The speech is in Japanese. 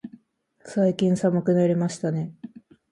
最近寒くなりましたね。